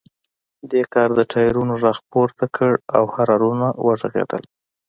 دې کار د ټایرونو غږ پورته کړ او هارنونه وغږیدل